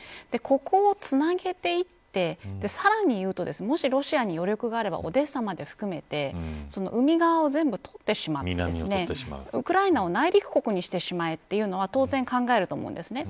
ここをつなげていってさらに言うともしロシアに余力があればオデッサまで含めて海側を全部取ってしまってウクライナを内陸国にしてしまえというのは当然考えると思うんです。